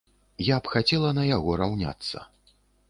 Я б хацела на яго раўняцца.